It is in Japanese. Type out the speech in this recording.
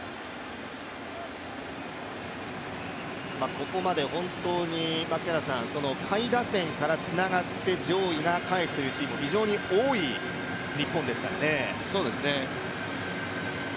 ここまで本当に下位打線からつながって上位が帰すというシーンも非常に多い日本ですからね。